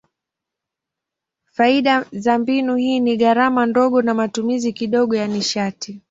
Faida za mbinu hii ni gharama ndogo na matumizi kidogo ya nishati.